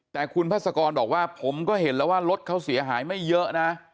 แต่คุณพัศกรบอกว่าผมก็เห็นแล้วว่ารถเขาเสียหายไม่เยอะนะ